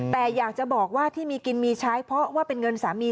แต่อยากจะบอกว่าที่มีกินมีใช้เพราะว่าเป็นเงินสามี